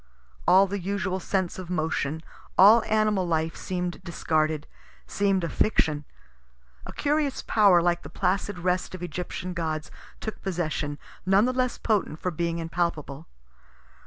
All the usual sense of motion, all animal life, seem'd discarded, seem'd a fiction; a curious power, like the placid rest of Egyptian gods, took possession, none the less potent for being impalpable.